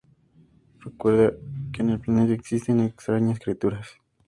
Recuerde que en el planeta existen extrañas criaturas